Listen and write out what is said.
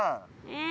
え？